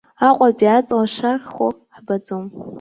Аҟәатәи аҵла шархәо ҳбаӡом.